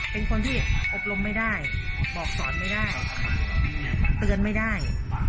เป็นคนที่อบรมไม่ได้บอกสอนไม่ได้เตือนไม่ได้